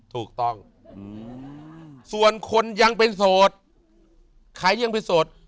ถูกต้องส่วนคนยังเป็นโสดใครยังเป็นโสด